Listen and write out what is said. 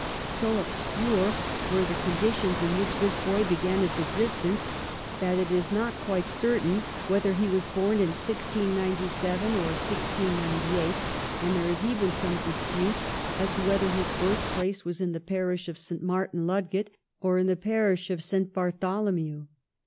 So obscure were the conditions in which this boy began his existence that it is not quite certain whether he was born in 1697 or 1698, and there is even some dispute as to whether his birthplace was in the parish of St. Martin, Ludgate, or in the parish of St. Bartholomew.